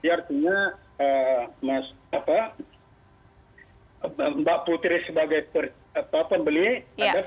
artinya mbak putri sebagai pembeli ada po